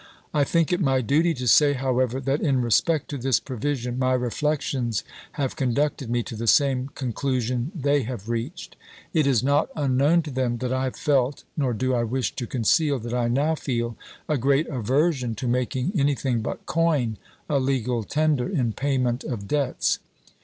I think it my duty to say, however, that in respect to this provision my reflections have con ducted me to the same conclusion they have reached. It is not unknown to them that I have felt, nor do I wish to conceal that I now feel, a great aversion to making any thing but coin a legal tender in payment of debts.